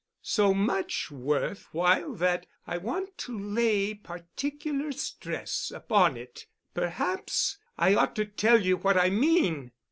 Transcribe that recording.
So much worth while that I want to lay particular stress upon it. Perhaps I ought to tell you what I mean.